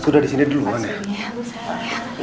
sudah disini duluan ya